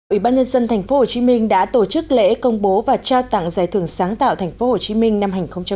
ủy ban nhân dân tp hcm đã tổ chức lễ công bố và trao tặng giải thưởng sáng tạo tp hcm năm hai nghìn một mươi chín